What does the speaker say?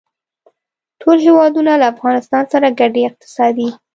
ټول هېوادونه له افغانستان سره ګډې اقتصادي